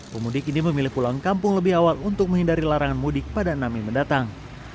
pemudik ini memilih pulang kampung lebih awal untuk menghindari larangan mudik pada enam mei mendatang